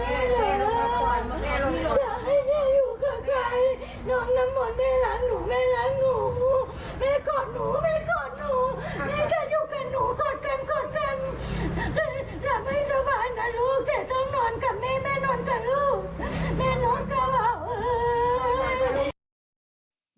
หลับให้สบายนะลูกแต่ต้องนอนกับแม่แม่นอนกับลูกแม่นอนกับแม่